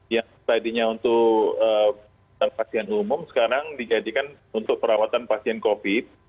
yang tadinya untuk pasien umum sekarang dijadikan untuk perawatan pasien covid